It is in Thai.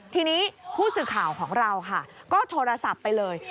ทีนี้ผู้สื่อข่าวของเราค่ะก็โทรศัพท์ไปเลย